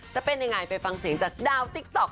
จะเป็นยังไงไปฟังเสียงจากดาวติ๊กต๊อก